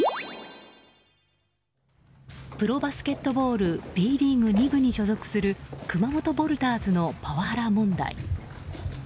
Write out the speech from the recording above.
プロバスケットボールＢリーグ２部に所属する熊本ヴォルターズのパワハラ問題。